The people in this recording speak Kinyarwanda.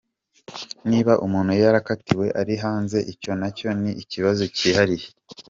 Niba umuntu yarakatiwe ari hanze, icyo nacyo ni ikibazo cyihariye.